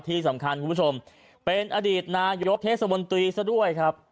ที่สำคัญคุณผู้ชมเป็นอดีตนายกเทศมนตรีซะด้วยครับ